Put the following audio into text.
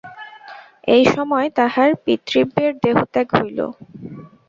এই সময় তাঁহার পিতৃব্যের দেহত্যাগ হইল।